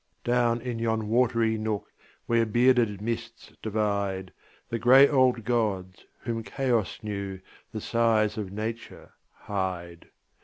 Down in yon watery nook, Where bearded mists divide, The gray old gods whom Chaos knew, The sires of Nature, hide.